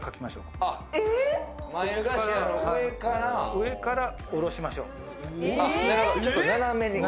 上から下ろしましょう。